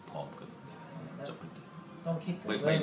พร้อมกัน